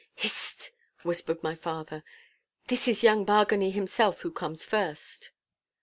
'Hist!' whispered my father, 'this is young Bargany himself who comes first.